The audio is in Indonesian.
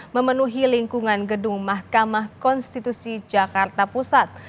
memenuhi lingkungan gedung mahkamah konstitusi jakarta pusat